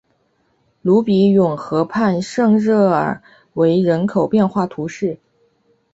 鲁比永河畔圣热尔韦人口变化图示